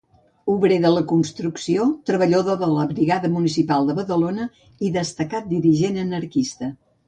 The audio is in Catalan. Obrer de la construcció, treballador de la brigada municipal de Badalona, i destacat dirigent anarquista.